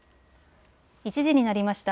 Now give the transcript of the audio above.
１時になりました。